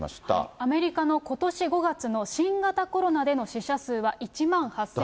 アメリカのことし５月の新型コロナでの死者数は１万８０００